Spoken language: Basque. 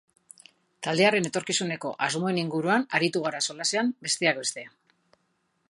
Taldearen etorkizuneko asmoen inguruan aritu gara solasean, besteak beste.